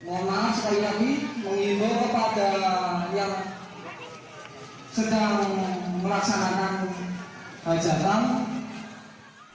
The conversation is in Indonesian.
mohon maaf sekali lagi mengimbau kepada yang sedang melaksanakan hajatan